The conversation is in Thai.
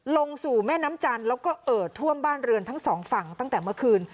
ลงสู่แม่น้ำจันทร์แล้วก็เอ่อท่วมบ้านเรือนทั้งสองฝั่งตั้งแต่เมื่อคืน